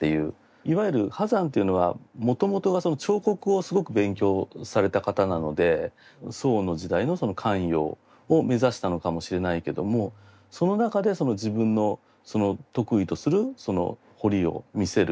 いわゆる波山というのはもともとが彫刻をすごく勉強された方なので宋の時代の官窯を目指したのかもしれないけどもその中で自分の得意とする彫りを見せる。